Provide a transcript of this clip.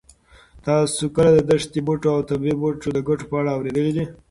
تاسو کله د دښتي بوټو او طبي بوټو د ګټو په اړه اورېدلي دي؟